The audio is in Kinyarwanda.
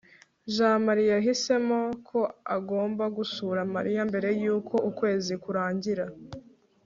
jamali yahisemo ko agomba gusura mariya mbere yuko ukwezi kurangira